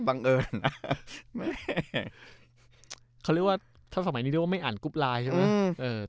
เขาเรียกว่าถ้าสมัยนี้ไม่อ่านกรุ๊ปลายใช่มั้ย